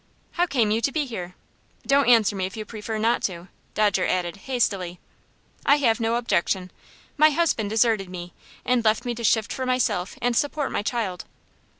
"How came you to be here? Don't answer if you prefer not to," Dodger added, hastily. "I have no objection. My husband deserted me, and left me to shift for myself and support my child."